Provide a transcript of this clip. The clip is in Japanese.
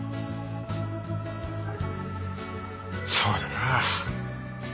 そうだな。